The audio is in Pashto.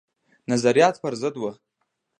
نظریات پر ضد وه.